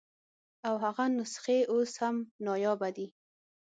د هغه نسخې اوس هم نایابه دي.